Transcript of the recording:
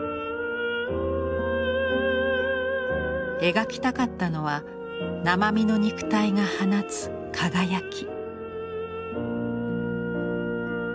描きたかったのは生身の肉体が放つ輝き。